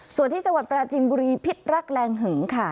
ส่วนที่จังหวัดปราจินบุรีพิษรักแรงหึงค่ะ